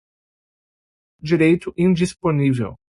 direito indisponível